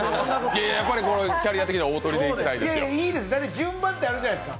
やっぱりキャリア的には大トリでいきたいですよ。